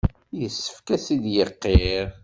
Yessefk ad t-id-iqirr.